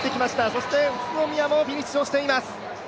そして宇都宮もフィニッシュをしています。